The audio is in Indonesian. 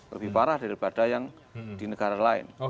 lebih parah daripada yang di negara lain